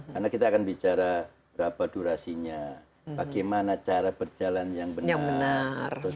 karena kita akan bicara berapa durasinya bagaimana cara berjalan yang benar